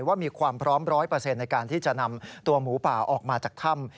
ว่ามีความพร้อม๑๐๐ในการที่จะนำตัวหมูป่าออกมาจากถ้ำ